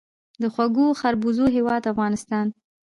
د خوږو خربوزو هیواد افغانستان.